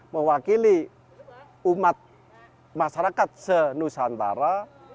mewakili umat masyarakat senusantara